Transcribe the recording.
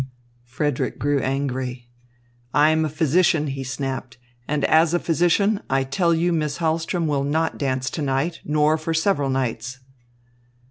Frederick grew angry. "I am a physician," he snapped, "and as a physician, I tell you Miss Hahlström will not dance to night, nor for several nights."